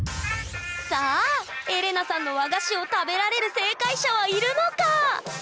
さあエレナさんの和菓子を食べられる正解者はいるのか？